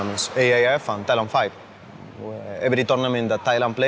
เพื่อให้เป็นแบบที่เขาจะช่วยเราในปีต่อไปน่าล่ะ